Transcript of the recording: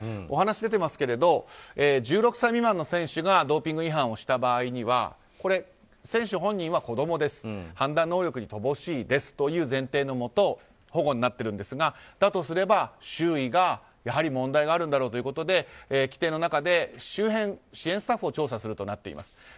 お話が出ていますが１６歳未満の選手がドーピング違反をした場合には選手本人は子供です判断能力に乏しいですという前提のもと保護になっているんですがだとすれば周囲がやはり問題があるんだろうということで規定の中で周辺支援スタッフを調査するとなっています。